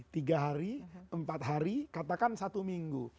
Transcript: tiga hari empat hari katakan satu minggu